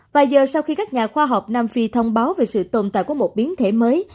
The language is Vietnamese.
vài giờ sau khi các nhà khoa học nam phi thông báo về sự tồn tại của một biến thể mới